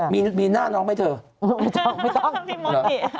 อ้าวมีหน้าน้องไหมเถอะ